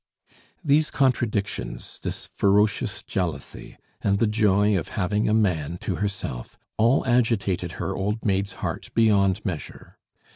These contradictions, this ferocious jealousy, and the joy of having a man to herself, all agitated her old maid's heart beyond measure.